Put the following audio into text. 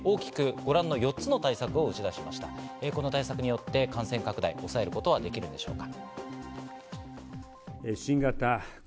この対策によって感染拡大を抑えることはできるのでしょうか？